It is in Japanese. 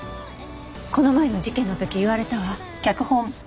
この前の事件の時言われたわ。